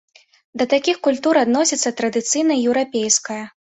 Да такіх культур адносіцца традыцыйная еўрапейская.